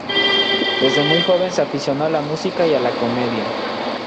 Desde muy joven se aficionó a la música y a la comedia.